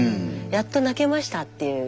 やっと泣けましたっていう。